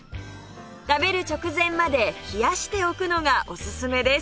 食べる直前まで冷やしておくのがおすすめです